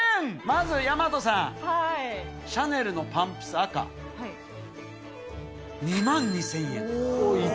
まず大和さん、シャネルのパンプス赤２万２０００円。